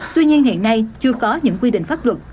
tuy nhiên hiện nay chưa có những quy định pháp luật